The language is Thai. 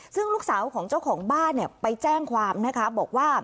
ซึ่งลูกสาวของเจ้าของบ้านเนี่ยไปแจ้งความนะคะบอกว่า